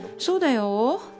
そうだよ